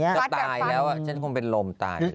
ก็ตายแล้วอ่ะฉันคงเป็นลมตายแล้ว